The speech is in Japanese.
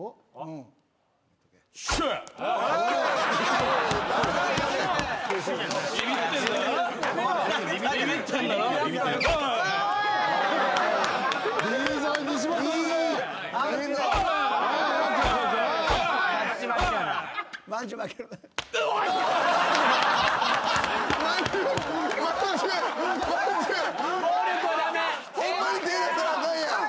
ホンマに手ぇ出したらあかんやん。